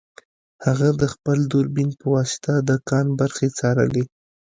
هغه د خپل دوربین په واسطه د کان برخې څارلې